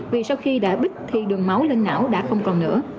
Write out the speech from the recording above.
vì sau khi đã bích thì đường máu lên não đã không còn nữa